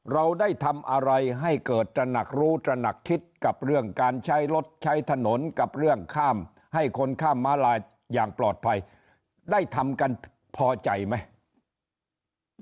เราได้ทำอะไรให้เกิดตระหนักรู้ตระหนักคิดกับเรื่องการใช้รถใช้ถนนกับเรื่องข้ามให้คนข้ามมาลายอย่างปลอดภัยได้ทำกันพอใจไหม